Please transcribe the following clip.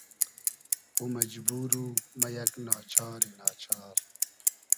او مئجبور و مۂ یئگ نا چاری نا چار